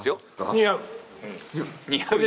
似合う。